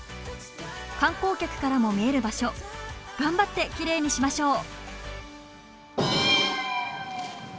観光客からも見える場所頑張ってきれいにしましょう。